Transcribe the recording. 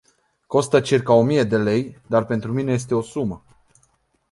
Costă circa o mie de lei, dar pentru mine este o sumă.